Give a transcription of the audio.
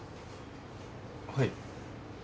はい。